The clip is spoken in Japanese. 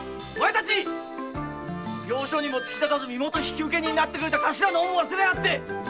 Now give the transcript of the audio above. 奉行所にも突き出さずに身元引受人になってくれたカシラの恩を忘れやがって！